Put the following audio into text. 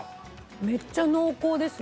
めっちゃ濃厚ですね。